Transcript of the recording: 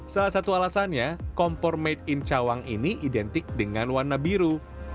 salah satu alasannya kompor made in cawang ini identik dengan warna biru